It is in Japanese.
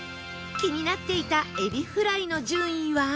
気になっていた海老フライの順位は